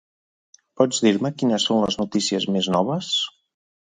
Pots dir-me quines són les notícies més noves?